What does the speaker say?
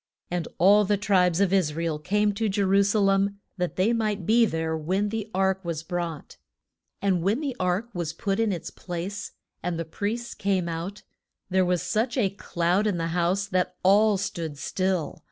And all the tribes of Is ra el came to Je ru sa lem, that they might be there when the ark was brought. And when the ark was put in its place, and the priests came out, there was such a cloud in the house that all stood still.